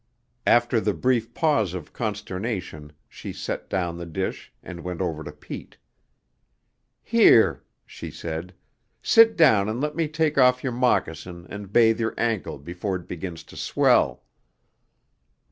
After the brief pause of consternation she set down the dish and went over to Pete. "Here," she said, "sit down and let me take off your moccasin and bathe your ankle before it begins to swell."